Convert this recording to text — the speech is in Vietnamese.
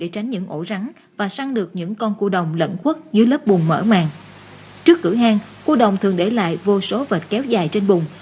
trước cửa hang cua đồng thường để lại vô số vệt kéo dài trên bụng